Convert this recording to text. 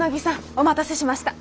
お待たせしました。